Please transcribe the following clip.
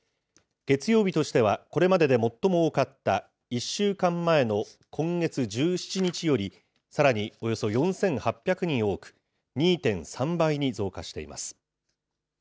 月曜日としてはこれまでで最も多かった１週間前の今月１７日よりさらにおよそ４８００人多く、２．３倍に増加しています。